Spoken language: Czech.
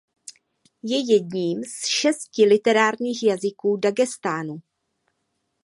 Je jedním z šesti literárních jazyků Dagestánu.